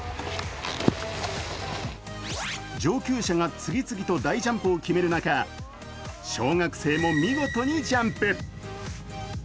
上級者が次々と大ジャンプを決める中、小学生も見事にジャンプ。